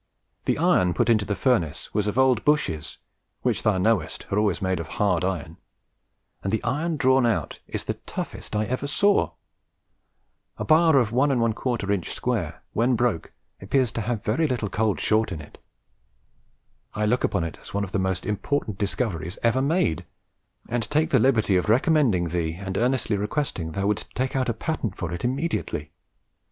The iron put into the furnace was old Bushes, which thou knowest are always made of hard iron, and the iron drawn out is the toughest I ever saw. A bar 1 1/4 inch square, when broke, appears to have very little cold short in it. I look upon it as one of the most important discoveries ever made, and take the liberty of recommending thee and earnestly requesting thou wouldst take out a patent for it immediately....